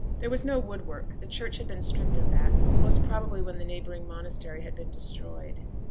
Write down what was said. There was no wood work, the church had been stripped of that, most probably when the neighbouring monastery had been destroyed.